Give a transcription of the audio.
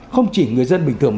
không chỉ người dân bình thường